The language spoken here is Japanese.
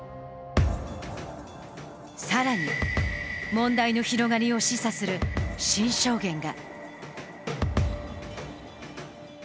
更に問題の広がりを示唆する新証言が。